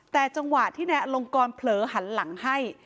แต่จังหวะที่นายอลงกรเผลอหันหลังให้